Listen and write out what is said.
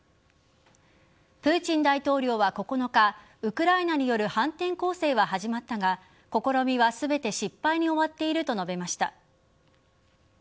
プーチン大統領は９日ウクライナによる反転攻勢は始まったが試みは全て失敗に終わっていると述べました。